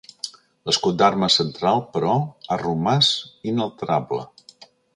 L'escut d'armes central, però, ha romàs inalterable.